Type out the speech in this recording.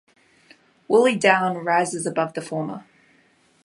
Woolley Down rises above the former.